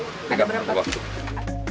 tidak perlu waktu